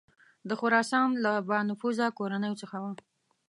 د خراسان له بانفوذه کورنیو څخه وه.